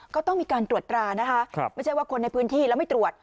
ก็ต้องมีการตรวจตรานะคะไม่ใช่ว่าคนในพื้นที่แล้วไม่ตรวจ